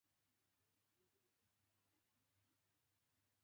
طبیعي پیښې مقابله غواړي